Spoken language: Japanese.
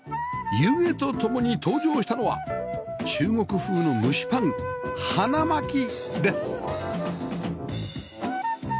湯気とともに登場したのは中国風の蒸しパン花巻です